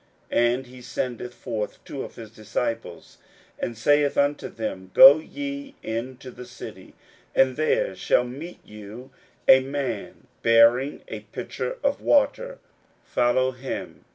41:014:013 And he sendeth forth two of his disciples, and saith unto them, Go ye into the city, and there shall meet you a man bearing a pitcher of water: follow him.